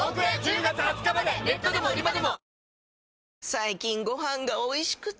最近ご飯がおいしくて！